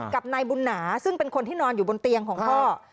กับนายบุญหนาซึ่งเป็นคนที่นอนอยู่บนเตียงของพ่อ